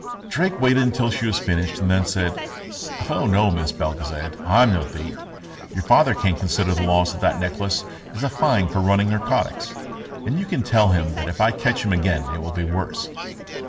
Drake waited until she had finished, and then said: "Oh, no, Miss Belgezad; I'm no thief. Your father can consider the loss of that necklace as a fine for running narcotics. And you can tell him that if I catch him again, it will be worse.